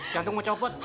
jantung mau copot